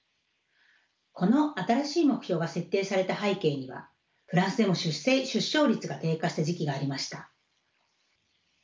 この新しい目標が設定された背景にはフランスでも出生率が低下した時期がありました。